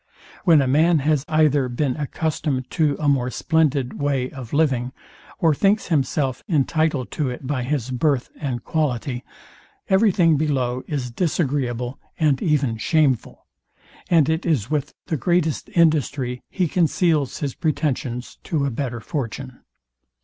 When a man has either been accustomed to a more splendid way of living, or thinks himself intitled to it by his birth and quality, every thing below is disagreeable and even shameful; and it is with the greatest industry he conceals his pretensions to a better fortune.